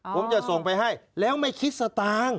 ผมจะส่งไปให้แล้วไม่คิดสตางค์